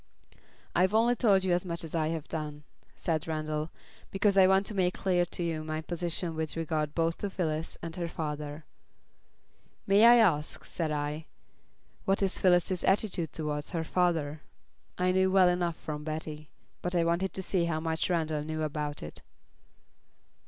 "I've only told you as much as I have done," said Randall, "because I want to make clear to you my position with regard both to Phyllis and her father." "May I ask," said I, "what is Phyllis's attitude towards her father?" I knew well enough from Betty; but I wanted to see how much Randall knew about it.